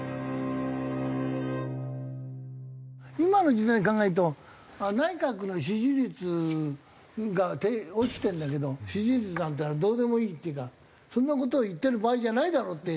今の時代考えると内閣の支持率が落ちてるんだけど支持率なんていうのはどうでもいいっていうかそんな事を言ってる場合じゃないだろって